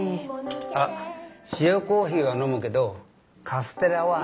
あ塩コーヒーは飲むけどカステラは。